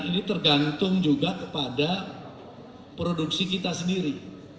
ini tergantung juga kepada produksi kita sendiri